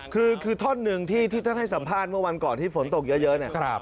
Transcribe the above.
คือท่อนหนึ่งที่ท่านให้สัมภาษณ์เมื่อวันก่อนที่ฝนตกเยอะเนี่ย